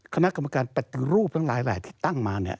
คณะกรรมการปฏิรูปทั้งหลายแบบที่ตั้งมาเนี่ย